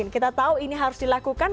kita tahu ini harus dilakukan